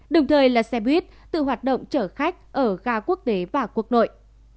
đồng thời là xe buýt tự hoạt động chở khách ở ga quốc tế và quốc nội